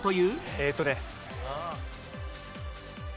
えーっとね。